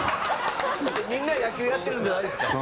みんな野球やってるんじゃないんですか？